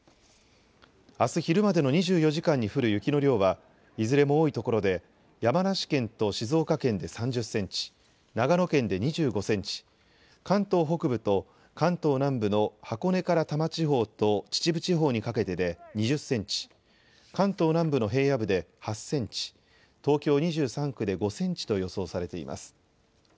あす昼までの２４時間に降る雪の量はいずれも多いところで山梨県と静岡県で３０センチ、長野県で２５センチ、関東北部と関東南部の箱根から多摩地方と秩父地方にかけてで２０センチ、関東南部の平野部で８センチ、東京２３区で５センチと予想されています。